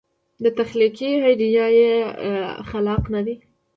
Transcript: تخلیقي ایډیا یې خلاق نه دی.